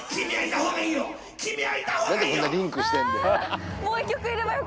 何でこんなリンクしてんだよ